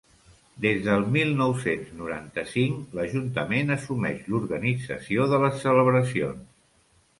Des del mil nou-cents noranta-cinc l'Ajuntament assumeix l'organització de les celebracions.